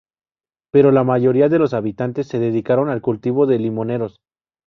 Pero la mayoría de los habitantes se dedicaron al cultivo de limoneros.